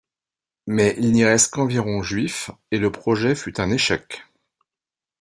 Mais il n'y reste qu'environ juifs, et le projet fut un échec.